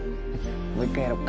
もう一回やろっか